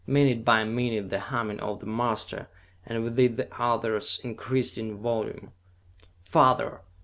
Minute by minute the humming of the Master, and with it the others, increased in volume. "Father!"